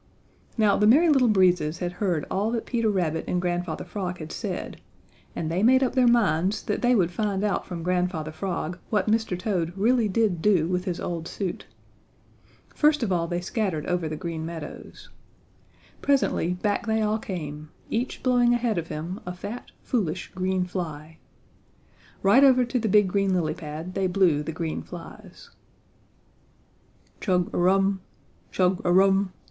Now the Merry Little Breezes had heard all that Peter Rabbit and Grandfather Frog had said, and they made up their minds that they would find out from Grandfather Frog what Mr. Toad really did do with his old suit. First of all they scattered over the Green Meadows. Presently back they all came, each blowing ahead of him a fat, foolish, green fly. Right over to the big green lily pad they blew the green flies. "Chug a rum! Chug a rum!